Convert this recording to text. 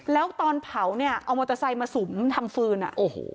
แล้วตอนเผาเนี่ยเอามอเตอร์ไซค์มาสุมทำฟืนอ่ะโอ้โห